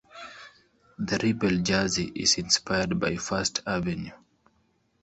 The Rebel jersey is inspired by First Avenue.